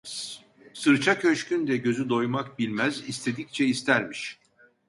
Sırça köşkün de gözü doymak bilmez, istedikçe istermiş.